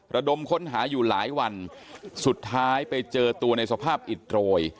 ระดมค้นหาอยู่หลายวันสุดท้ายไปเจอตัวในสภาพอิดโรย